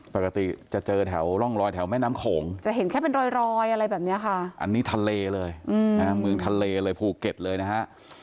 ปกติจะเจอแถวร่องรอยแถวแม่น้ำโขงจะเห็นแค่เป็นรอยอะไรแบบนี้ค่ะอันนี้ทะเลเลยเมืองทะเลเลยภูเก็ตเลยนะฮะ